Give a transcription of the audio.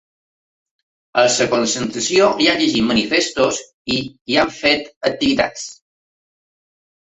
A la concentració hi han llegit manifestos i hi han fet activitats.